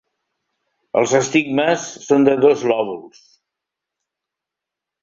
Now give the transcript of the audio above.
Els estigmes són de dos lòbuls.